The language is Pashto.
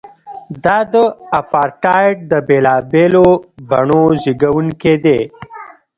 دا د اپارټایډ د بېلابېلو بڼو زیږوونکی دی.